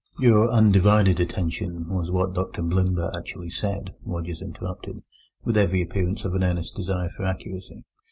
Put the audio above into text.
"Your undivided attention, was what Dr Blimber actually said," Rogers interrupted, with every appearance of an earnest desire for accuracy.